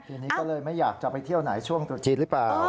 ทีนี้ก็เลยไม่อยากจะไปเที่ยวไหนช่วงตรุษจีนหรือเปล่า